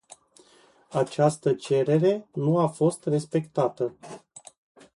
Această cerere nu a fost respectată.